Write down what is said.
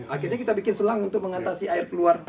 akhirnya kita bikin selang untuk mengatasi air keluar